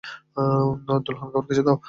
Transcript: দুলহান, খাওয়ার কিছু দাও।